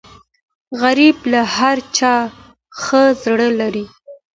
غریب له هر چا ښه زړه لري